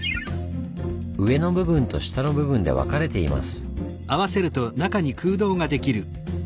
上の部分と下の部分で分かれています。